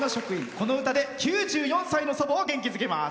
この歌で９４歳の祖母を元気づけます。